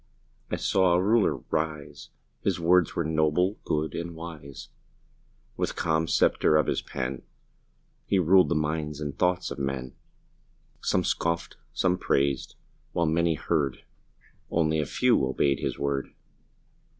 I saw another Ruler rise His words were noble, good, and wise; With the calm sceptre of his pen He ruled the minds and thoughts of men; Some scoffed, some praised while many heard, Only a few obeyed his word.